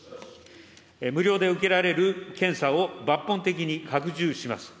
無料で受けられる検査を抜本的に拡充します。